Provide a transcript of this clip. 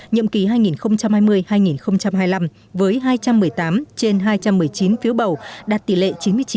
nhậm ký hai nghìn hai mươi hai nghìn hai mươi năm với hai trăm một mươi tám trên hai trăm một mươi chín phiếu bầu đạt tỷ lệ chín mươi chín năm mươi bốn